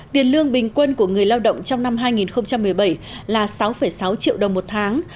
tiền lương bình quân của người lao động trong năm hai nghìn một mươi bảy là sáu sáu triệu đồng một tháng